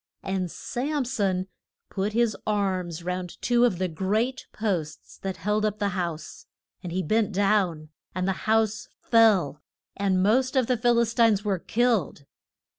And Sam son put his arms round two of the great posts that held up the house. And he bent down, and the house fell, and most of the Phil is tines were killed.